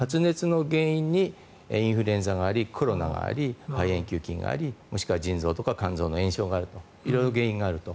発熱の原因にインフルエンザがありコロナがあり、肺炎球菌がありもしくは腎臓とか肝臓の炎症がある色々原因があると。